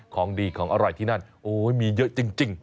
ของดีของอร่อยที่นั่นโอ้ยมีเยอะจริง